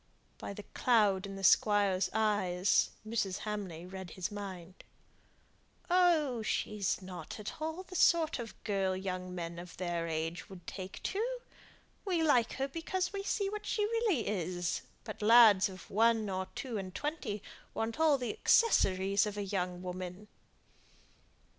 By the cloud in the Squire's eyes, Mrs. Hamley read his mind. "Oh, she's not at all the sort of girl young men of their age would take to. We like her because we see what she really is; but lads of one or two and twenty want all the accessories of a young woman."